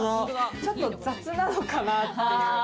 ちょっと雑なのかなっていう。